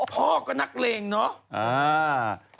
พ่อก็นักเลงเนาะ